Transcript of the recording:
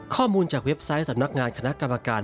ข้อมูลจากเว็บไซต์สำนักงานคณะกรรมการ